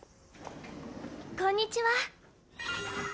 こんにちは。